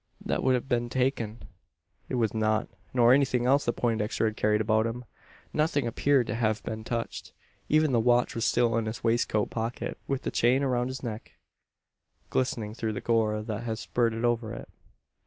That would have been taken. It was not, nor anything else that Poindexter had carried about him. Nothing appeared to have been touched. Even the watch was still in his waistcoat pocket, with the chain around his neck glistening through the gore that had spurted over it!